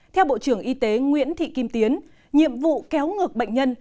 theo bộ trưởng y tế nguyễn thị kim tiến nhiệm vụ kéo ngược bệnh nhân